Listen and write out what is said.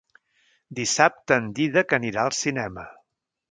Dissabte en Dídac anirà al cinema.